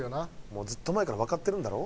もうずっと前からわかってるんだろ？